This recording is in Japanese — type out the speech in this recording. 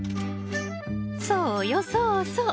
そうよそうそう！